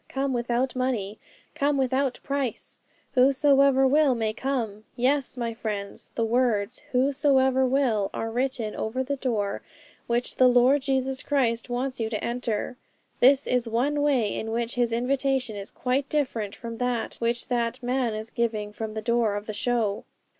Come without money! Come without price! Whosoever will may come!" Yes, my friends, the words "Whosoever will" are written over the door which the Lord Jesus Christ wants you to enter. This is one way in which His invitation is quite different from that which that man is giving from the door of the show.